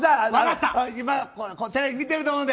今、テレビ見ていると思うので。